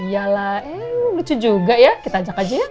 ya lah lucu juga ya kita ajak aja ya